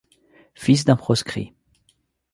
Fils d'un proscrit.